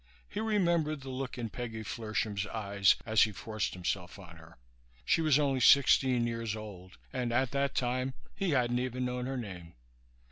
He remembered the look in Peggy Flershem's eyes as he forced himself on her. She was only sixteen years old, and at that time he hadn't even known her name.